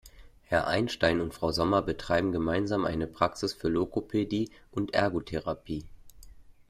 Herr Einstein und Frau Sommer betreiben gemeinsam eine Praxis für Logopädie und Ergotherapie.